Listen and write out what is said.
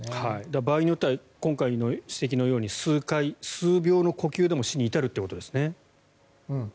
場合によっては今回の指摘のように数回、数秒の呼吸でも死に至るということですね。